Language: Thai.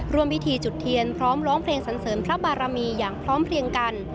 ร่วมพิธีจุดเทียนพร้อมร้องเพลงสันเสริมพระบารมีอย่างพร้อมเพลียงกัน